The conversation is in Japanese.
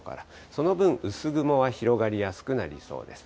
その分、薄雲は広がりやすくなりそうです。